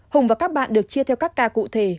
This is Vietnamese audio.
hùng và các bạn được chia theo các ca cụ thể